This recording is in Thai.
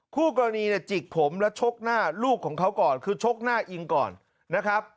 คู่กรณีเนี่ยจิกผมและชกหน้าลูกของเขาก่อนคือชกหน้าอิงก่อนนะครับ